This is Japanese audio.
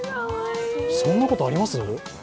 そんなことあります？